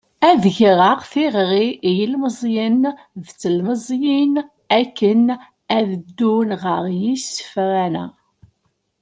Ad d-greɣ tiɣri i yilemẓiyen d tlemẓiyin akken ad d-ddun ɣer yisenfaren-a.